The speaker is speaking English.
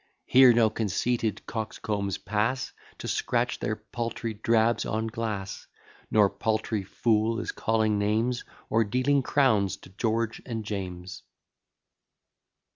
Here no conceited coxcombs pass, To scratch their paltry drabs on glass; Nor party fool is calling names, Or dealing crowns to George and James.